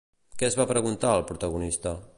Què es va preguntar, el protagonista?